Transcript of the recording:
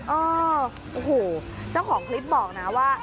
เออโอ้โหเจ้าของคลิปบอกนะว่า